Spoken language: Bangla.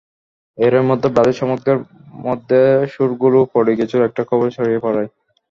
এরই মধ্যে ব্রাজিল সমর্থকদের মধ্যে শোরগোলও পড়ে গিয়েছিল একটা খবর ছড়িয়ে পড়ায়।